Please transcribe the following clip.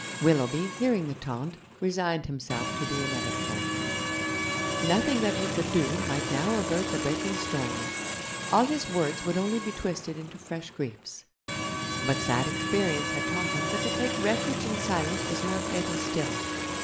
Willoughby, hearing the taunt, resigned himself to the inevitable. Nothing that he could do might now avert the breaking storm; all his words would only be twisted into fresh griefs. But sad experience had taught him that to take refuge in silence was more fatal still.